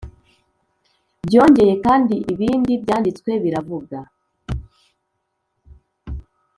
Byongeye kandi ibindi byanditswe biravuga